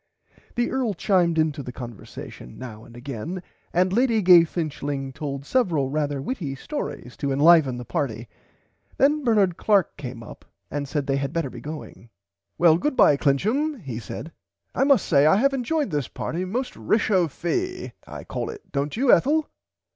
The Earl chimed into the conversation now and again and Lady Gay Finchling told several rarther witty stories to enliven the party. Then Bernard Clark came up and said they had better be going. Well goodbye Clincham he said I must say I have enjoyed this party most rechauffie I call it dont you Ethel.